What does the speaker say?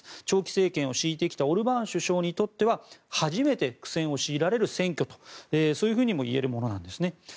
長期政権を敷いてきたオルバーン首相にとっては初めて苦戦を強いられる選挙とそういうふうにもいえるものなんですね。